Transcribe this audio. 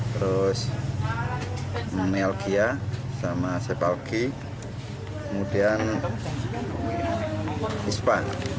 terus melgia sepalki ispa